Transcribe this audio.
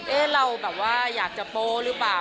เราแบบว่าอยากจะโป๊หรือเปล่า